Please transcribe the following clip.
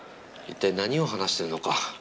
一体何を話しているのか。